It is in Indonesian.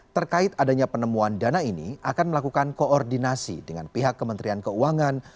terkait adanya penemuan dana ini akan melakukan koordinasi dengan pihak kementerian keuangan